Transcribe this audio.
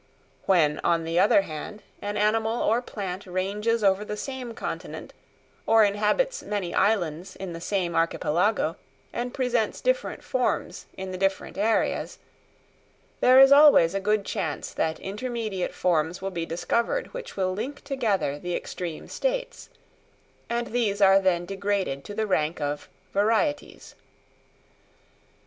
When, on the other hand, an animal or plant ranges over the same continent, or inhabits many islands in the same archipelago, and presents different forms in the different areas, there is always a good chance that intermediate forms will be discovered which will link together the extreme states; and these are then degraded to the rank of varieties.